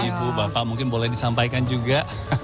ya bu bapak mungkin boleh disampaikan juga